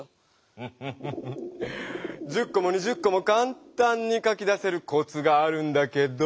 フフフフ１０こも２０こもかんたんに書き出せるコツがあるんだけど。